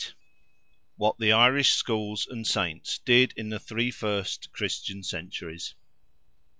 WHAT THE IRISH SCHOOLS AND SAINTS DID IN THE THREE FIRST CHRISTIAN CENTURIES.